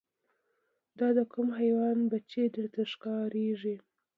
دا د کوم حیوان بچی درته ښکاریږي